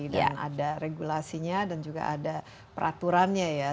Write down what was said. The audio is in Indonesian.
dan ada regulasinya dan juga ada peraturannya ya